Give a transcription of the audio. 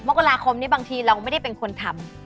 มกราคมนี้บางทีเราไม่ได้เป็นคนทำ